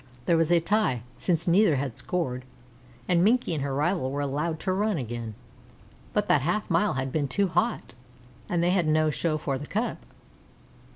This was a tie, since neither had scored, and Minkie and her rival were allowed to run again; but that half mile had been too hot, and they had no show for the cup.